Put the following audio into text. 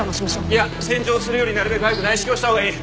いや洗浄するよりなるべく早く内視鏡したほうがいい。